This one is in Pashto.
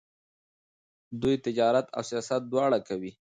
دوی تجارت او سیاست دواړه کوي.